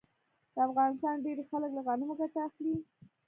د افغانستان ډیری خلک له غنمو ګټه اخلي.